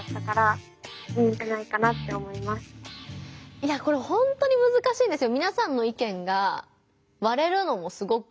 いやこれほんとにむずかしいんですよ。